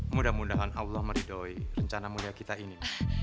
mudah mudahan allah meridoi rencana mulia kita ini